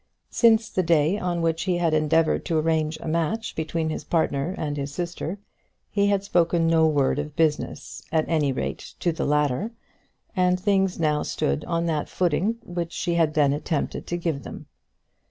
Since the day on which he had endeavoured to arrange a match between his partner and his sister he had spoken no word of business, at any rate to the latter, and things now stood on that footing which she had then attempted to give them.